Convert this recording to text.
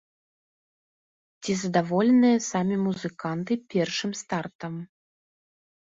Ці задаволеныя самі музыканты першым стартам?